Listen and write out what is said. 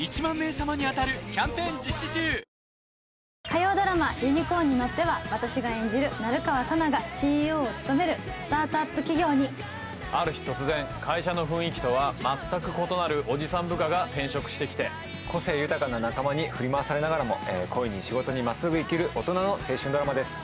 火曜ドラマ「ユニコーンに乗って」は私が演じる成川佐奈がＣＥＯを務めるスタートアップ企業にある日突然会社の雰囲気とは全く異なるおじさん部下が転職してきて個性豊かな仲間に振り回されながらも恋に仕事にまっすぐ生きる大人の青春ドラマです